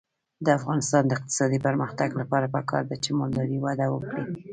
د افغانستان د اقتصادي پرمختګ لپاره پکار ده چې مالداري وده وکړي.